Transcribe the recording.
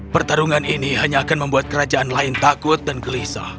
pertarungan ini hanya akan membuat kerajaan lain takut dan gelisah